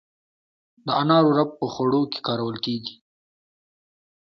د انارو رب په خوړو کې کارول کیږي.